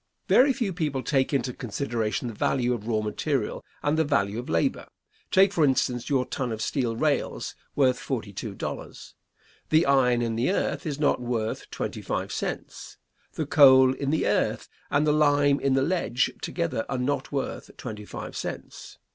Very few people take into consideration the value of raw material and the value of labor. Take, for instance, your ton of steel rails worth forty two dollars. The iron in the earth is not worth twenty five cents. The coal in the earth and the lime in the ledge together are not worth twenty five cents.